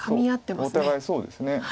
お互いそうですね。